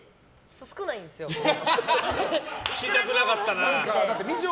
聞きたくなかったな。